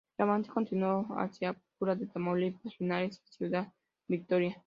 El avance continuó hacia Tula de Tamaulipas, Linares y Ciudad Victoria.